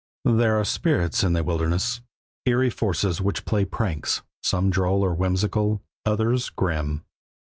There are spirits in the wilderness, eerie forces which play pranks; some droll or whimsical, others grim.